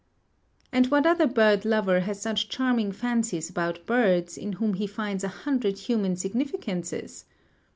And what other bird lover has such charming fancies about birds, in whom he finds a hundred human significances?